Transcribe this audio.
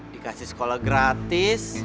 dikasih sekolah gratis